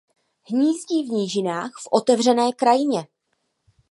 Hnízdí v nížinách v otevřené krajině.